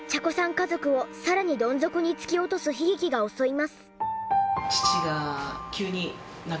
家族をさらにどん底に突き落とす悲劇が襲います。